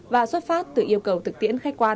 và xuất phát từ yêu cầu thực tiễn khách quan